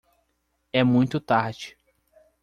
É muito tarde